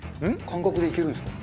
感覚でいけるんですか？